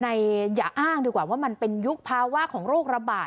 อย่าอ้างดีกว่าว่ามันเป็นยุคภาวะของโรคระบาด